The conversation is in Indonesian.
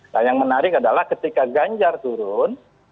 nah yang menarik adalah ketika ganjar turun